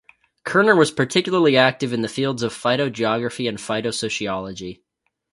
Kerner was particularly active in the fields of phytogeography and phytosociology.